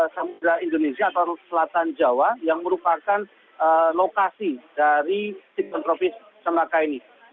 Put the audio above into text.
samudera indonesia atau selatan jawa yang merupakan lokasi dari siklon tropis celaka ini